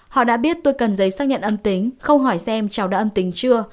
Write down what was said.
họ đã biết tôi cần giấy xác nhận âm tính không hỏi xem cháu đã âm tính chưa